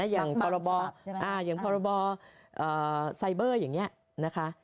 อย่างพรบไซเบอร์อย่างนี้นะคะ